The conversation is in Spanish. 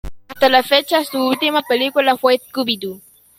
Hasta la fecha su última película fue "Scooby-Doo!